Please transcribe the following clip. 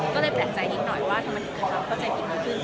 ก็เลยแปลกใจนิดหน่อยว่าธรรมดิการเข้าใจผิดมันขึ้น